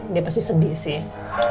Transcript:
dia pasti sedih sih